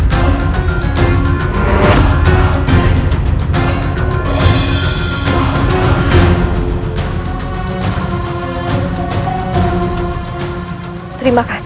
jika kanda mempercepat pengangkatan